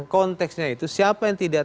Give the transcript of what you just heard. konteksnya itu siapa yang tidak